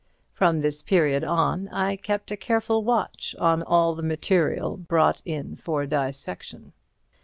From this period on, I kept a careful watch on all the material brought in for dissection.